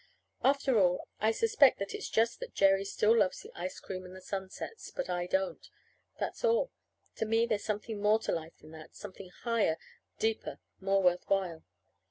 After all, I suspect that it's just that Jerry still loves the ice cream and the sunsets, and I don't. That's all. To me there's something more to life than that something higher, deeper, more worth while.